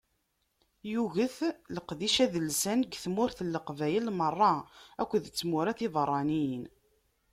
Yuget leqdic adelsan deg tmurt n leqbayel merra akked tmura tiberraniyin.